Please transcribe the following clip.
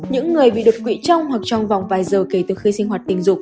những người bị đột quỵ trong hoặc trong vòng vài giờ kể từ khi sinh hoạt tình dục